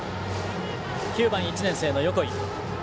９番、１年生の横井。